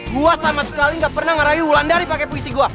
gue sama sekali gak pernah ngerayu ulan dari pake puisi gue